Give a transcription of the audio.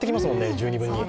十二分に。